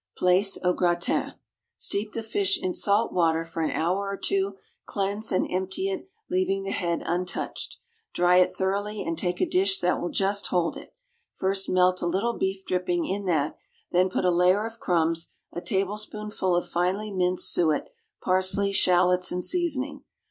=Plaice, au Gratin.= Steep the fish in salt water for an hour or two, cleanse and empty it, leaving the head untouched. Dry it thoroughly, and take a dish that will just hold it. First melt a little beef dripping in that, then put a layer of crumbs, a tablespoonful of finely minced suet, parsley, shallots, and seasoning.